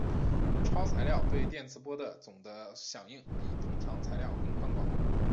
超材料对电磁波的总的响应比通常材料更宽广。